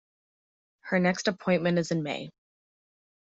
Her next appointment is in May.